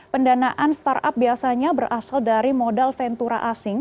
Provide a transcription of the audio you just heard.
pendanaan startup biasanya berasal dari modal ventura asing